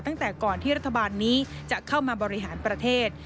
ตั้งแต่ก่อนที่รัฐบาลนี้จะเข้ามาบริหารประเทศ